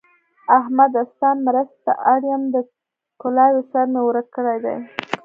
احمده! ستا مرستې ته اړ يم؛ د کلاوې سر مې ورک کړی دی.